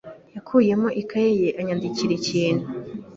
yakuyemo ikaye ye ayandikamo ikintu.